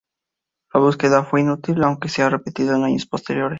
La búsqueda fue inútil, aunque se ha repetido en años posteriores.